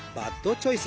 チョイス！